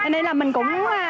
nên là mình cũng